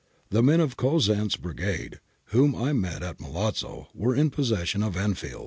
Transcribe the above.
The men of Cosenz' Brigade, whoin I met at Milazzo, were in possession of Enfields.'